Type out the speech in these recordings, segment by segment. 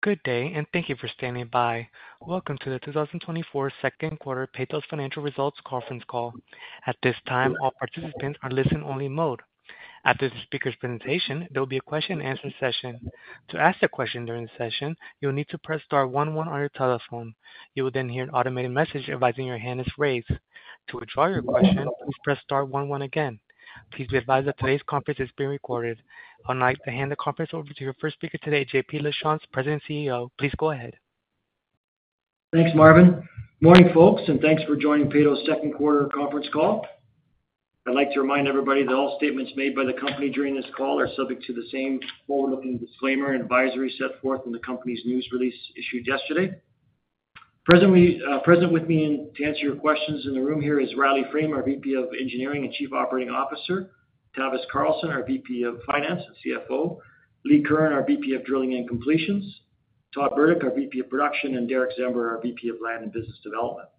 Good day, and thank you for standing by. Welcome to the 2024 second quarter Peyto's Financial Results conference call. At this time, all participants are in listen-only mode. After the speaker's presentation, there will be a question-and-answer session. To ask a question during the session, you'll need to press star one one on your telephone. You will then hear an automated message advising your hand is raised. To withdraw your question, please press star one one again. Please be advised that today's conference is being recorded. I'd like to hand the conference over to your first speaker today, JP Lachance, President and CEO. Please go ahead. Thanks, Marvin. Morning, folks, and thanks for joining Peyto's second quarter conference call. I'd like to remind everybody that all statements made by the company during this call are subject to the same forward-looking disclaimer and advisory set forth in the company's news release issued yesterday. Presently, present with me and to answer your questions in the room here is Riley Frame, our VP of Engineering and Chief Operating Officer; Tavis Carlson, our VP of Finance and CFO; Lee Curran, our VP of Drilling and Completions; Todd Burdick, our VP of Production; and Derick Czember, our VP of Land and Business Development.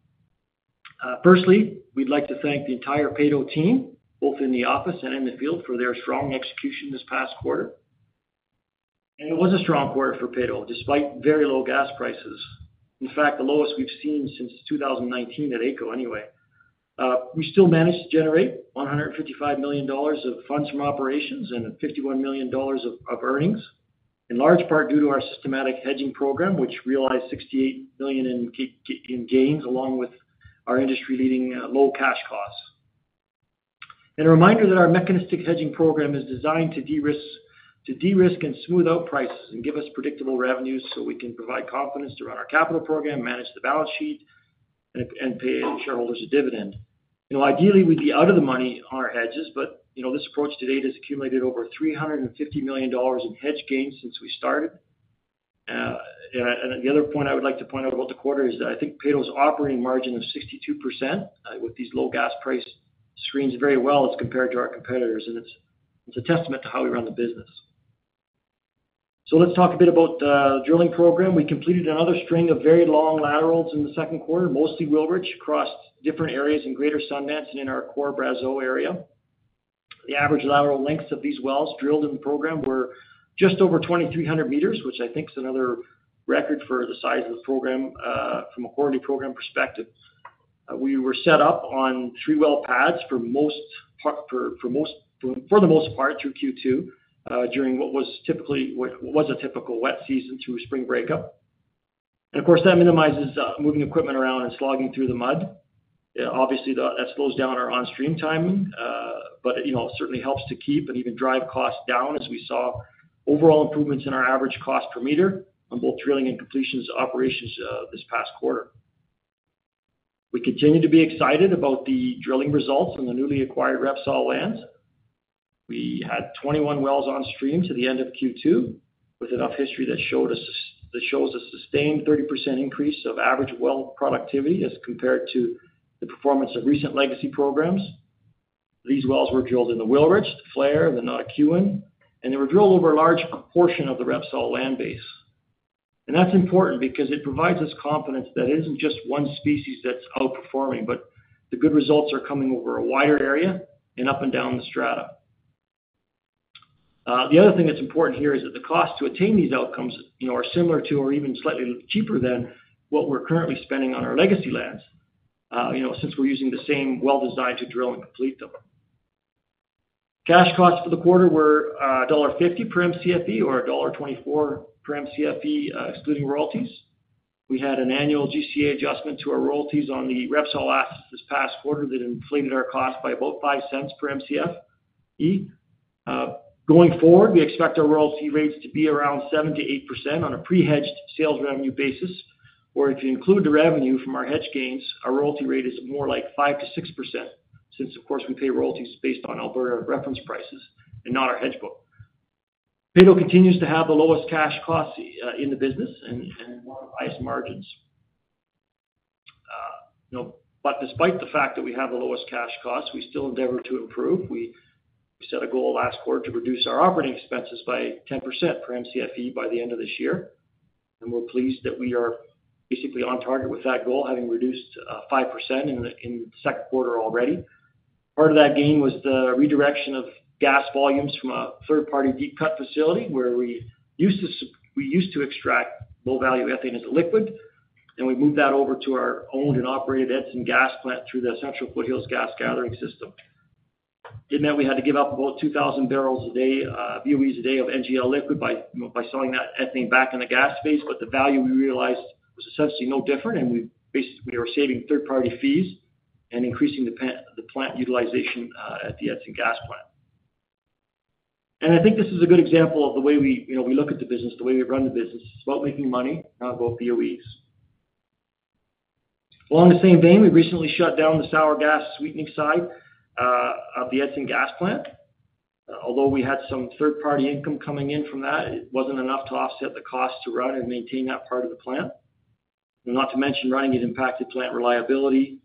Firstly, we'd like to thank the entire Peyto team, both in the office and in the field, for their strong execution this past quarter. It was a strong quarter for Peyto, despite very low gas prices. In fact, the lowest we've seen since 2019 at AECO anyway. We still managed to generate 155 million dollars of funds from operations and 51 million dollars of earnings, in large part due to our systematic hedging program, which realized 68 million in gains, along with our industry-leading low cash costs. A reminder that our mechanistic hedging program is designed to de-risk, to de-risk and smooth out prices and give us predictable revenues so we can provide confidence to run our capital program, manage the balance sheet, and pay shareholders a dividend. You know, ideally, we'd be out of the money on our hedges, but, you know, this approach to date has accumulated over 350 million dollars in hedge gains since we started. The other point I would like to point out about the quarter is that I think Peyto's operating margin of 62% with these low gas price screens very well as compared to our competitors, and it's, it's a testament to how we run the business. Let's talk a bit about the drilling program. We completed another string of very long laterals in the second quarter, mostly Wilrich, across different areas in Greater Sundance and in our core Brazeau area. The average lateral lengths of these wells drilled in the program were just over 2,300 meters, which I think is another record for the size of the program from a quarterly program perspective. We were set up on three well pads for the most part through Q2, during what was a typical wet season through spring breakup. And of course, that minimizes moving equipment around and slogging through the mud. Obviously, that slows down our on-stream timing, but, you know, it certainly helps to keep and even drive costs down as we saw overall improvements in our average cost per meter on both drilling and completions operations this past quarter. We continue to be excited about the drilling results from the newly acquired Repsol lands. We had 21 wells on stream to the end of Q2, with enough history that shows a sustained 30% increase of average well productivity as compared to the performance of recent legacy programs. These wells were drilled in the Wilrich, the Falher, and the Notikewin, and they were drilled over a large portion of the Repsol land base. That's important because it provides us confidence that it isn't just one species that's outperforming, but the good results are coming over a wider area and up and down the strata. The other thing that's important here is that the cost to attain these outcomes, you know, are similar to or even slightly cheaper than what we're currently spending on our legacy lands, you know, since we're using the same well design to drill and complete them. Cash costs for the quarter were $1.50 per Mcfe or $1.24 per Mcfe, excluding royalties. We had an annual GCA adjustment to our royalties on the Repsol assets this past quarter that inflated our cost by about $0.05 per Mcfe. Going forward, we expect our royalty rates to be around 7%-8% on a pre-hedged sales revenue basis, or if you include the revenue from our hedge gains, our royalty rate is more like 5%-6%, since, of course, we pay royalties based on Alberta reference prices and not our hedge book. Peyto continues to have the lowest cash costs in the business and one of the highest margins. You know, but despite the fact that we have the lowest cash costs, we still endeavor to improve. We set a goal last quarter to reduce our operating expenses by 10% per Mcfe by the end of this year, and we're pleased that we are basically on target with that goal, having reduced 5% in the second quarter already. Part of that gain was the redirection of gas volumes from a third-party deep cut facility, where we used to extract low-value ethane as a liquid, and we moved that over to our owned and operated Edson Gas Plant through the Central Foothills Gas Gathering System. It meant we had to give up about 2,000 barrels a day of BOE a day of NGL liquid by, you know, by selling that ethane back in the gas phase, but the value we realized was essentially no different, and we basically we were saving third-party fees and increasing the plant utilization at the Edson Gas Plant. And I think this is a good example of the way we, you know, we look at the business, the way we run the business. It's about making money, not about BOEs. Well, in the same vein, we recently shut down the sour gas sweetening side of the Edson Gas Plant. Although we had some third-party income coming in from that, it wasn't enough to offset the cost to run and maintain that part of the plant. Not to mention, running it impacted plant reliability,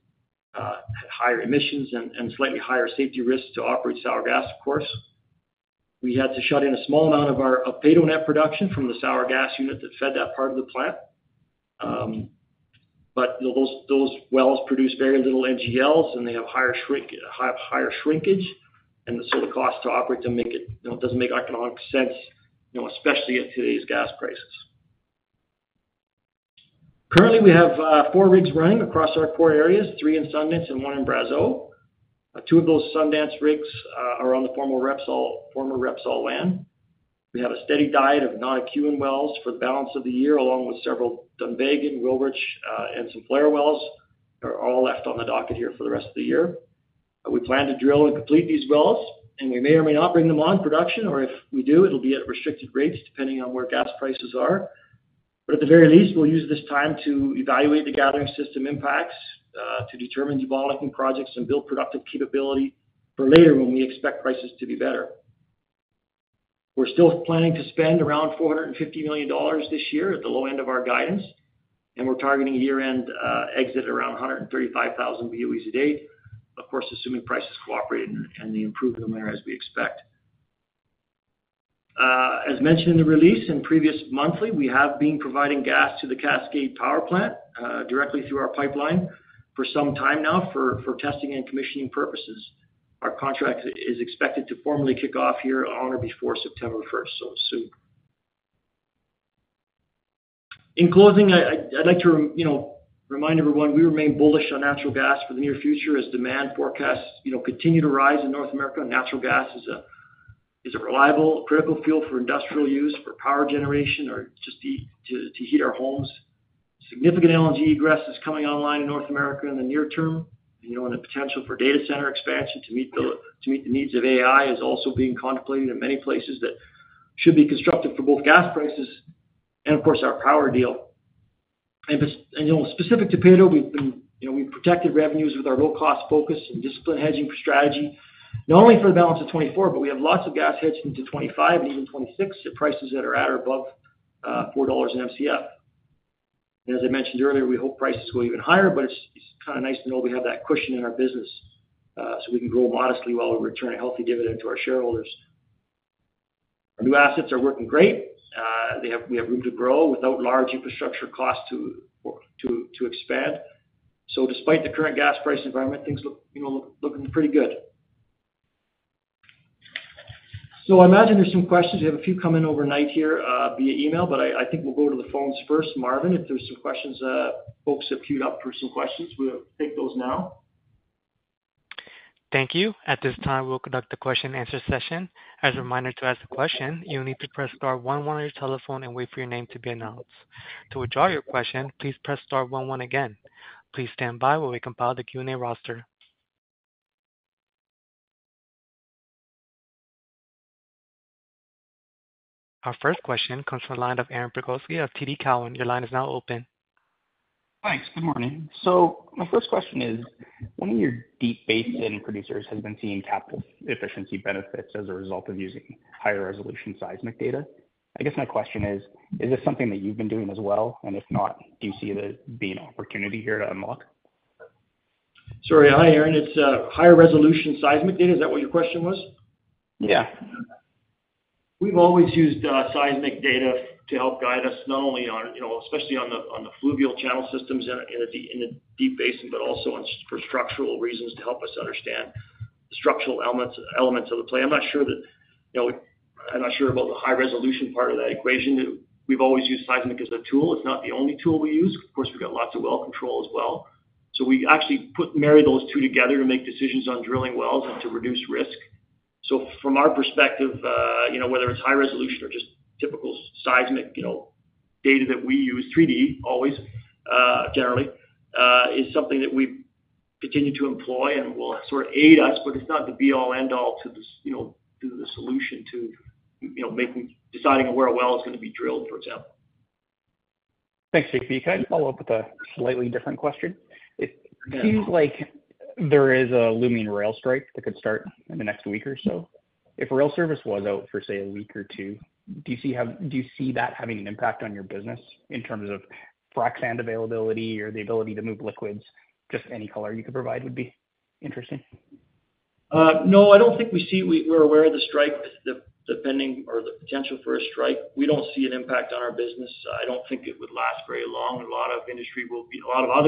higher emissions and slightly higher safety risks to operate sour gas, of course. We had to shut in a small amount of our Peyto net production from the sour gas unit that fed that part of the plant. But, you know, those wells produce very little NGLs, and they have higher shrink, have higher shrinkage, and so the cost to operate to make it, you know, doesn't make economic sense, you know, especially at today's gas prices. Currently, we have four rigs running across our core areas, three in Sundance and one in Brazeau. Two of those Sundance rigs are on the former Repsol, former Repsol land. We have a steady diet of Notikewin wells for the balance of the year, along with several Dunvegan, Wilrich, and some Falher wells are all left on the docket here for the rest of the year. We plan to drill and complete these wells, and we may or may not bring them on production, or if we do, it'll be at restricted rates, depending on where gas prices are. But at the very least, we'll use this time to evaluate the gathering system impacts to determine developing projects and build productive capability for later, when we expect prices to be better. We're still planning to spend around 450 million dollars this year at the low end of our guidance, and we're targeting a year-end exit around 135,000 BOEs a day. Of course, assuming prices cooperate and, and they improve from there, as we expect. As mentioned in the release, in previous monthly, we have been providing gas to the Cascade Power Plant directly through our pipeline for some time now for, for testing and commissioning purposes. Our contract is expected to formally kick off here on or before September first, so soon. In closing, I'd like to, you know, remind everyone, we remain bullish on natural gas for the near future as demand forecasts, you know, continue to rise in North America, and natural gas is a reliable, critical fuel for industrial use, for power generation or just to heat our homes. Significant LNG egress is coming online in North America in the near term, you know, and the potential for data center expansion to meet the needs of AI is also being contemplated in many places that should be constructive for both gas prices and, of course, our power deal. You know, specific to Peyto, we've been, you know, we've protected revenues with our low-cost focus and disciplined hedging strategy, not only for the balance of 2024, but we have lots of gas hedged into 2025 and even 2026 at prices that are at or above 4 dollars/MCF. And as I mentioned earlier, we hope prices go even higher, but it's, it's kind of nice to know we have that cushion in our business, so we can grow modestly while we return a healthy dividend to our shareholders. Our new assets are working great. We have room to grow without large infrastructure costs to expand. So despite the current gas price environment, things look, you know, looking pretty good. So I imagine there's some questions. We have a few come in overnight here, via email, but I think we'll go to the phones first. Marvin, if there's some questions, folks have queued up for some questions, we'll take those now. Thank you. At this time, we'll conduct a question-and-answer session. As a reminder, to ask a question, you'll need to press star one one on your telephone and wait for your name to be announced. To withdraw your question, please press star one one again. Please stand by while we compile the Q&A roster. Our first question comes from the line of Aaron Bilkoski of TD Cowen. Your line is now open. Thanks. Good morning. So my first question is, one of your Deep Basin producers has been seeing capital efficiency benefits as a result of using higher resolution seismic data. I guess my question is, is this something that you've been doing as well? And if not, do you see there being an opportunity here to unlock? Sorry. Hi, Aaron. It's higher resolution seismic data, is that what your question was? Yeah. We've always used seismic data to help guide us not only on, you know, especially on the fluvial channel systems in a deep basin, but also on for structural reasons to help us understand the structural elements of the play. I'm not sure that, you know. I'm not sure about the high-resolution part of that equation. We've always used seismic as a tool. It's not the only tool we use. Of course, we've got lots of well control as well. So we actually put marry those two together to make decisions on drilling wells and to reduce risk. So from our perspective, you know, whether it's high resolution or just typical seismic, you know, data that we use, 3D, always, generally, is something that we continue to employ and will sort of aid us, but it's not the be all, end all to the, you know, to the solution to, you know, making deciding where a well is going to be drilled, for example. Thanks, JP. Can I follow up with a slightly different question? Yeah. It seems like there is a looming rail strike that could start in the next week or so. If rail service was out for, say, a week or two, do you see that having an impact on your business in terms of frac sand availability or the ability to move liquids? Just any color you could provide would be interesting. No, I don't think we see, we're aware of the strike, the pending or the potential for a strike. We don't see an impact on our business. I don't think it would last very long. A lot of other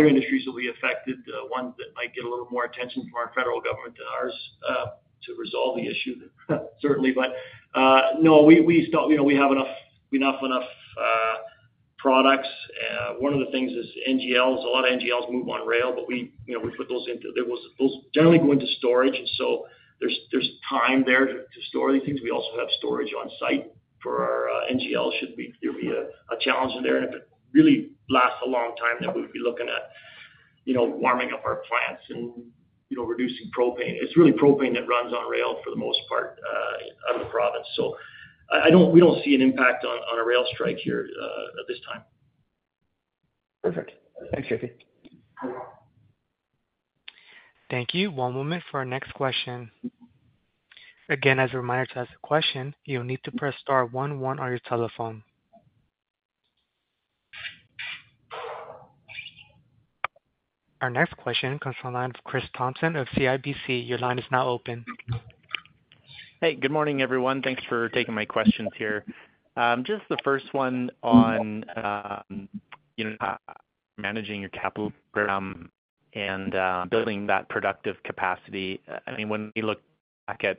industries will be affected, ones that might get a little more attention from our federal government than ours to resolve the issue, certainly. But no, you know, we have enough products. One of the things is NGLs. A lot of NGLs move on rail, but we, you know, we put those into storage, and so there's time there to store these things. We also have storage on site for our NGLs should there be a challenge in there. If it really lasts a long time, then we would be looking at, you know, warming up our plants and, you know, reducing propane. It's really propane that runs on rail for the most part out of the province. So, we don't see an impact on a rail strike here at this time. Perfect. Thanks, JP. Thank you. One moment for our next question. Again, as a reminder, to ask a question, you'll need to press star one one on your telephone. Our next question comes from the line of Chris Thompson of CIBC. Your line is now open. Hey, good morning, everyone. Thanks for taking my questions here. Just the first one on, you know, managing your capital program and, building that productive capacity. I mean, when we look back at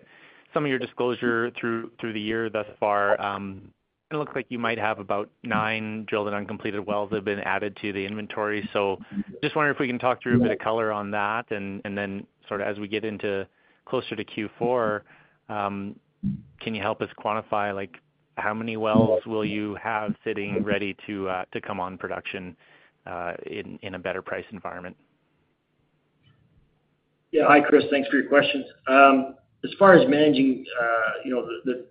some of your disclosure through the year thus far, it looks like you might have about nine drilled and uncompleted wells that have been added to the inventory. So just wondering if we can talk through a bit of color on that, and then sort of as we get into closer to Q4, can you help us quantify, like, how many wells will you have sitting ready to come on production in a better price environment? Yeah. Hi, Chris. Thanks for your questions. As far as managing, you know,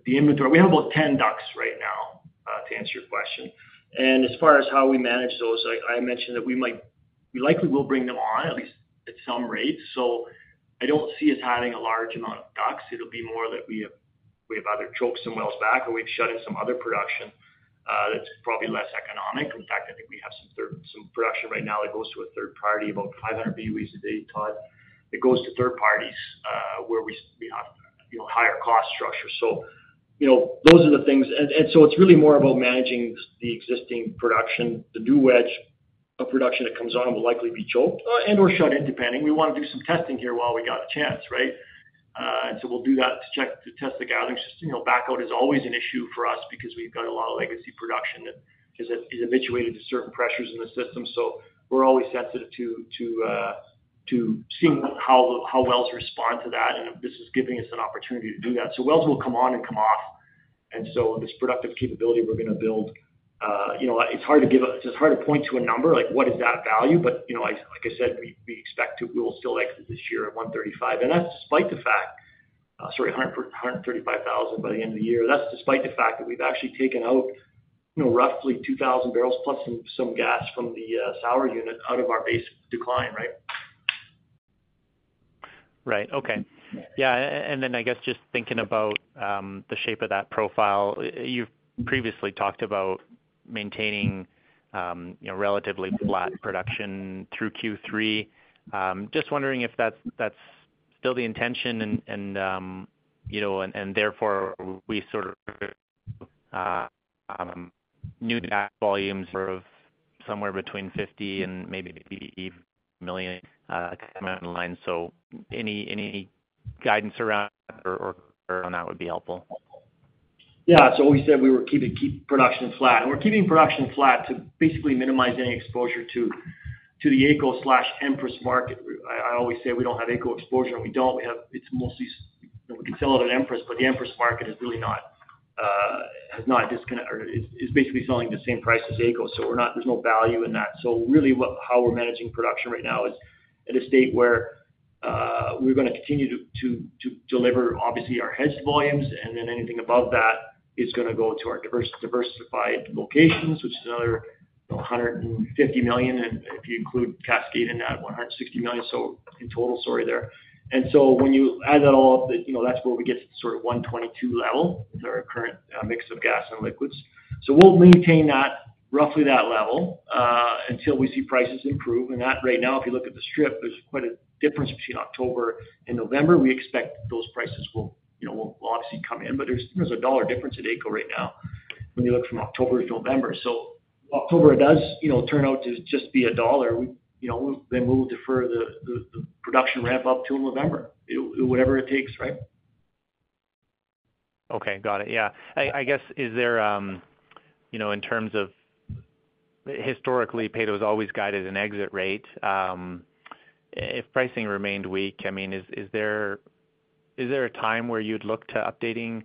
the inventory, we have about 10 DUCs right now to answer your question. And as far as how we manage those, like I mentioned, we likely will bring them on, at least at some rate. So I don't see us having a large amount of DUCs. It'll be more that we have, we have either choked some wells back or we've shut in some other production that's probably less economic. In fact, I think we have some production right now that goes to a third party, about 500 BOEs a day total. It goes to third parties, where we have, you know, higher cost structure. So, you know, those are the things... And so it's really more about managing the existing production. The new wedge of production that comes on will likely be choked and/or shut in, depending. We want to do some testing here while we got the chance, right? And so we'll do that to test the gathering system. You know, backout is always an issue for us because we've got a lot of legacy production that is habituated to certain pressures in the system. So we're always sensitive to seeing how wells respond to that, and this is giving us an opportunity to do that. So wells will come on and come off, and so this productive capability we're going to build, you know, it's hard to give. It's hard to point to a number, like, what is that value? But, you know, like I said, we expect to—we will still exit this year at 135, and that's despite the fact... Sorry, 135,000 by the end of the year. That's despite the fact that we've actually taken out, you know, roughly 2,000 barrels plus some gas from the sour unit out of our base decline, right? Right. Okay. Yeah, and then I guess just thinking about the shape of that profile, you've previously talked about maintaining, you know, relatively flat production through Q3. Just wondering if that's still the intention and therefore we sort of need to add that volumes are of somewhere between 50 and maybe even 1 million amount online. So any guidance around or on that would be helpful. Yeah. So we said we were keeping production flat, and we're keeping production flat to basically minimize any exposure to the AECO/Empress market. I always say we don't have AECO exposure, and we don't. We have. It's mostly, you know, we can sell it on Empress, but the Empress market is really not, has not disconnected, or is basically selling the same price as AECO, so we're not. There's no value in that. So really, what, how we're managing production right now is at a state where we're gonna continue to deliver obviously our hedged volumes, and then anything above that is gonna go to our diversified locations, which is another 150 million, and if you include Cascade in that, 160 million, so in total, sorry, there. And so when you add that all up, you know, that's where we get to sort of 1.22 level with our current mix of gas and liquids. So we'll maintain that, roughly that level, until we see prices improve. And that right now, if you look at the strip, there's quite a difference between October and November. We expect those prices will, you know, will, will obviously come in, but there's, there's a CAD 1 difference at AECO right now when you look from October to November. So October does, you know, turn out to just be a CAD 1, we, you know, then we'll defer the, the, the production ramp up to November. It whatever it takes, right? Okay. Got it. Yeah. I guess, is there, you know, in terms of... Historically, Peyto has always guided an exit rate. If pricing remained weak, I mean, is there a time where you'd look to updating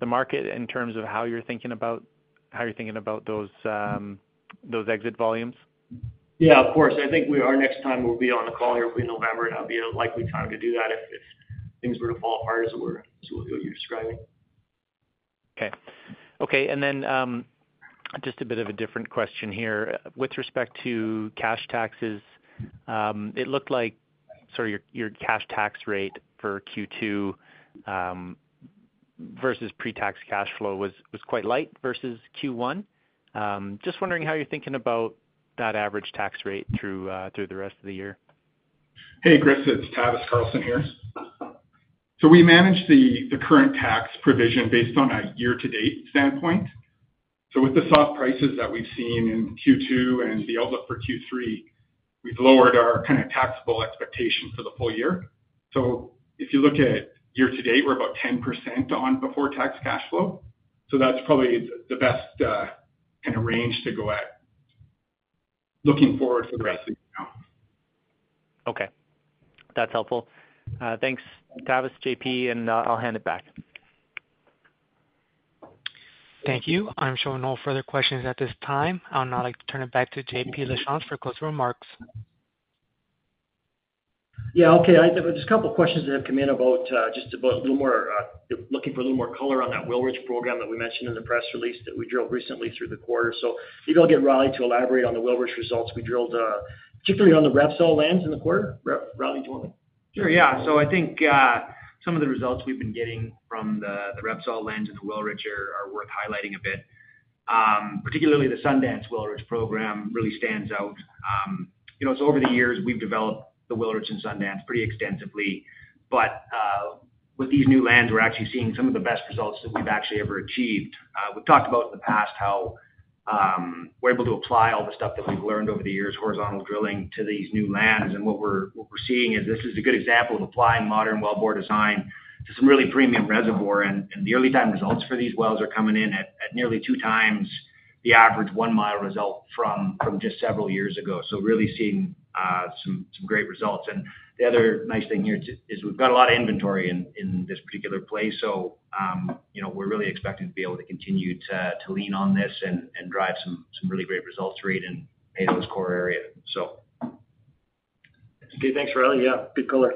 the market in terms of how you're thinking about, how you're thinking about those, those exit volumes? Yeah, of course. I think we, our next time will be on the call here in November, and that'll be a likely time to do that if things were to fall apart as we're so what you're describing. Okay. Okay, and then, just a bit of a different question here. With respect to cash taxes, it looked like sort of your cash tax rate for Q2 versus pre-tax cash flow was quite light versus Q1. Just wondering how you're thinking about that average tax rate through the rest of the year. Hey, Chris, it's Tavis Carlson here. So we manage the current tax provision based on a year-to-date standpoint. So with the soft prices that we've seen in Q2 and the outlook for Q3, we've lowered our kind of taxable expectations for the full year. So if you look at year to date, we're about 10% on before tax cash flow. So that's probably the best kind of range to go at, looking forward for the rest of the year now. Okay. That's helpful. Thanks, Tavis, JP, and I'll hand it back. Thank you. I'm showing no further questions at this time. I'll now like to turn it back to JP Lachance for closing remarks. Yeah. Okay. Just a couple of questions that have come in about, just about a little more, looking for a little more color on that Wilrich program that we mentioned in the press release that we drilled recently through the quarter. So maybe I'll get Riley to elaborate on the Wilrich results we drilled, particularly on the Repsol lands in the quarter. Riley, do you want to? Sure, yeah. So I think some of the results we've been getting from the Repsol lands and the Wilrich are worth highlighting a bit.... particularly the Sundance Wilrich program really stands out. You know, so over the years, we've developed the Wilrich and Sundance pretty extensively, but with these new lands, we're actually seeing some of the best results that we've actually ever achieved. We've talked about in the past how we're able to apply all the stuff that we've learned over the years, horizontal drilling, to these new lands. And what we're seeing is this is a good example of applying modern well bore design to some really premium reservoir, and the early time results for these wells are coming in at nearly two times the average one-mile result from just several years ago. So really seeing some great results. The other nice thing here, too, is we've got a lot of inventory in this particular place, so, you know, we're really expecting to be able to continue to lean on this and drive some really great results for it in Hanlan's core area, so. Okay, thanks, Riley. Yeah, good color.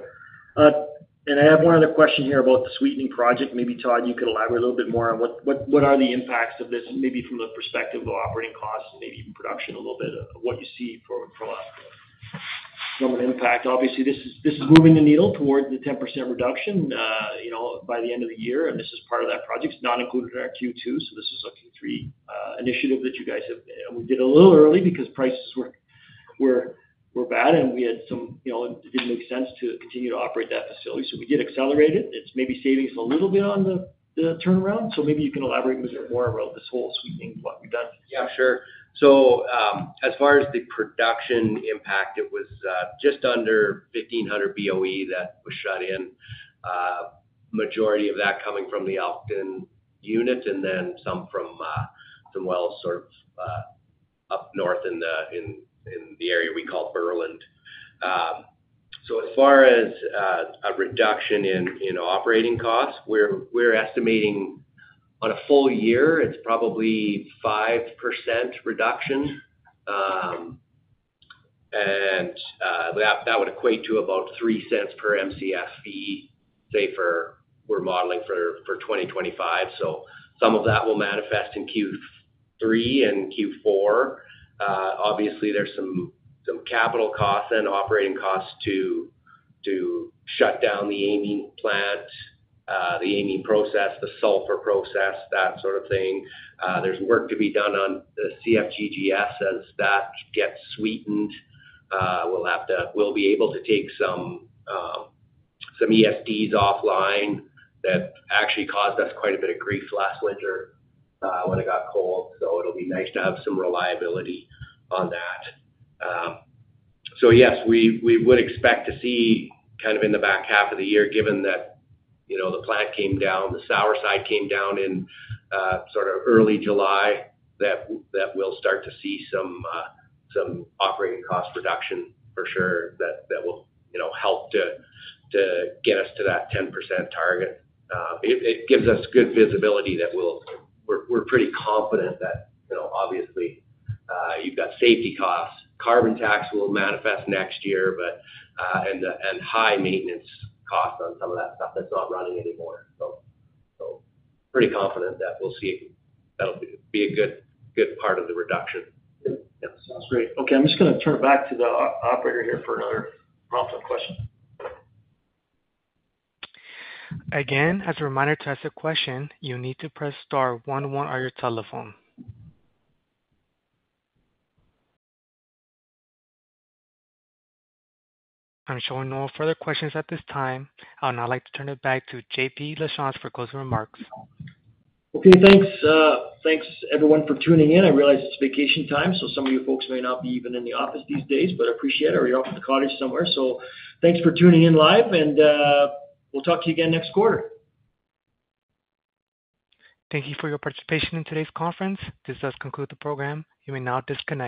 And I have one other question here about the sweetening project. Maybe, Todd, you could elaborate a little bit more on what are the impacts of this, maybe from the perspective of operating costs, maybe even production a little bit, what you see for last quarter? From an impact, obviously, this is moving the needle toward the 10% reduction, you know, by the end of the year, and this is part of that project. It's not included in our Q2, so this is a Q3 initiative that you guys have. We did it a little early because prices were bad, and we had some—you know, it didn't make sense to continue to operate that facility, so we did accelerate it. It's maybe saving us a little bit on the turnaround. Maybe you can elaborate a bit more about this whole sweetening, what we've done. Yeah, sure. So, as far as the production impact, it was just under 1,500 BOE that was shut in. Majority of that coming from the Elkton unit, and then some from some wells sort of up north in the area we call Berland. So as far as a reduction in operating costs, we're estimating on a full year, it's probably 5% reduction. And that would equate to about 0.03 per Mcfe, say, we're modeling for 2025. So some of that will manifest in Q3 and Q4. Obviously, there's some capital costs and operating costs to shut down the amine plant, the amine process, the sulfur process, that sort of thing. There's work to be done on the CFGGS as that gets sweetened. We'll have to—we'll be able to take some some ESDs offline. That actually caused us quite a bit of grief last winter, when it got cold, so it'll be nice to have some reliability on that. So yes, we, we would expect to see kind of in the back half of the year, given that, you know, the plant came down, the sour side came down in, sort of early July, that, that we'll start to see some, some operating cost reduction for sure, that, that will, you know, help to, to get us to that 10% target. It, it gives us good visibility that we'll—we're, we're pretty confident that, you know, obviously, you've got safety costs. Carbon tax will manifest next year, but... and high maintenance costs on some of that stuff that's not running anymore. So pretty confident that we'll see that'll be a good part of the reduction. Yeah, sounds great. Okay, I'm just gonna turn it back to the operator here for another round of questions. Again, as a reminder, to ask a question, you need to press star one one on your telephone. I'm showing no further questions at this time. I'd now like to turn it back to JP Lachance for closing remarks. Okay, thanks. Thanks, everyone, for tuning in. I realize it's vacation time, so some of you folks may not be even in the office these days, but I appreciate it, or you're off to the cottage somewhere. So thanks for tuning in live, and we'll talk to you again next quarter. Thank you for your participation in today's conference. This does conclude the program. You may now disconnect.